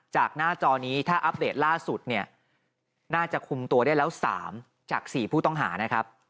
จากหน้าจอนี้ถ้าอัปเดตล่าสุดเนี่ยน่าจะคุมตัวได้แล้ว๓จาก๔ผู้ต้องหานะครับ